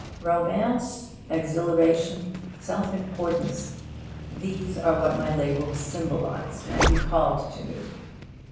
Romance, exhilaration, self importance these are what my labels symbolised and recalled to me.